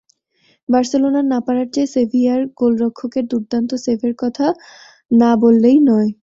বার্সেলোনার না পারার চেয়ে সেভিয়ার গোলরক্ষকের দুর্দান্ত সেভের কথা না বললেই নয়।